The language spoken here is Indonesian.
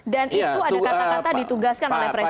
dan itu ada kata kata ditugaskan oleh presiden